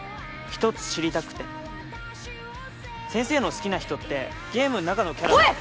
１つ知りたくて先生の好きな人ってゲームん中のキャラ声！